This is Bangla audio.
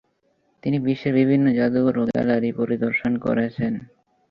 তিনি বিশ্বের বিভিন্ন জাদুঘর ও গ্যালারি পরিদর্শন করেছেন।